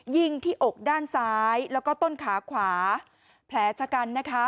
ยิงที่อกด้านซ้ายแล้วก็ต้นขาขวาแผลชะกันนะคะ